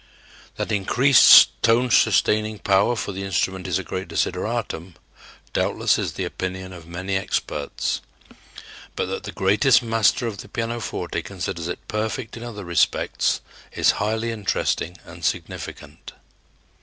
That increased tone sustaining power for the instrument is a great desideratum doubtless is the opinion of many experts; but that the greatest master of the pianoforte considers it perfect in other respects is highly interesting and significant.